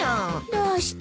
どうして？